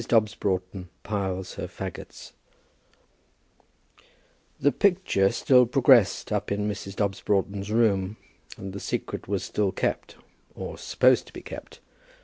DOBBS BROUGHTON PILES HER FAGOTS. The picture still progressed up in Mrs. Dobbs Broughton's room, and the secret was still kept, or supposed to be kept.